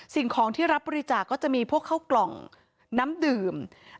สิ่งของที่รับบริจาคก็จะมีพวกเข้ากล่องน้ำดื่ม